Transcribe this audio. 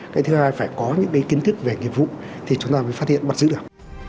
cái thứ hai phải có những cái kiến thức về nghiệp vụ thì chúng ta mới phát hiện bắt giữ được